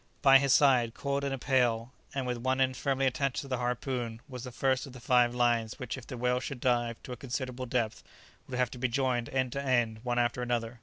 By his side, coiled in a pail, and with one end firmly attached to the harpoon, was the first of the five lines which if the whale should dive to a considerable depth, would have to be joined end to end, one after another.